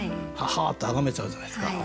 「ははっ！」ってあがめちゃうじゃないですか。